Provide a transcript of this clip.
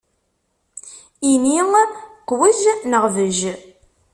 Ini: qwej neɣ bej!